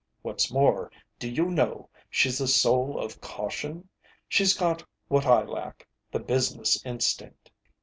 What's more, do you know, she's the soul of caution. She's got what I lack the business instinct."